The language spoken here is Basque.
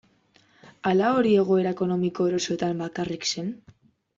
Ala hori egoera ekonomiko erosoetan bakarrik zen?